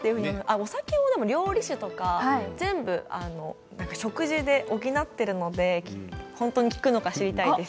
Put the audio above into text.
お酒も料理酒とか全部食事で補っているので本当に効くのか知りたいです。